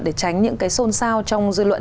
để tránh những cái xôn xao trong dư luận